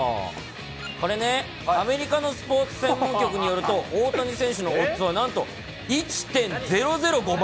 これね、アメリカのスポーツ専門局によると、大谷選手のオッズはなんと１．００５倍。